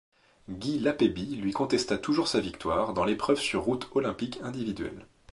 Guy Lapébie lui contesta toujours sa victoire dans l'épreuve sur route olympique individuelle.